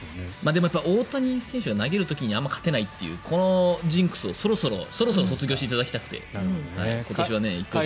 でも大谷選手が投げる時になかなか勝てないというこのジンクスをそろそろ脱していただきたくて。